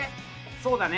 そうだね。